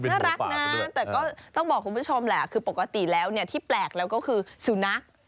น่ารักนะแต่ก็ต้องบอกคุณผู้ชมแหละคือปกติแล้วเนี่ยที่แปลกแล้วก็คือสุนัข